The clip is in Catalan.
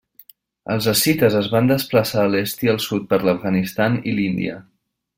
Els escites es van desplaçar a l'est i al sud per l'Afganistan i l'Índia.